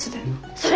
それ！